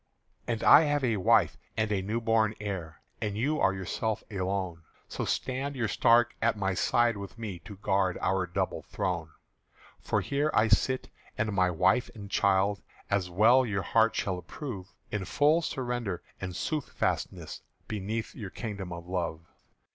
"And I have a wife and a newborn heir, And you are yourself alone; So stand you stark at my side with me To guard our double throne." "For here sit I and my wife and child, As well your heart shall approve, In full surrender and soothfastness, Beneath your Kingdom of Love."